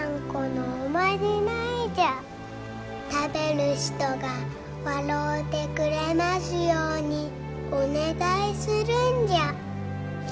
食べる人が笑うてくれますようにお願いするんじゃ。